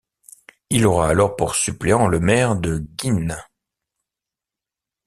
Il aura alors pour suppléant le maire de Guînes.